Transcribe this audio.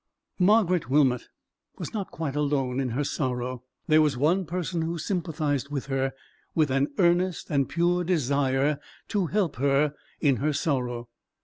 Margaret Wilmot was not quite alone in her sorrow. There was one person who sympathized with her, with an earnest and pure desire to help her in her sorrow.